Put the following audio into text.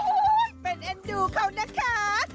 อุ้ยเป็นเอนดูเขาน่นะคะ